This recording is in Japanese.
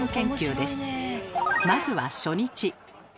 まずは初日。